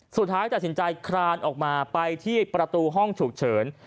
สุดท้ายตัดสินใจคลานออกมาไปที่ประตูห้องฉุกเฉิน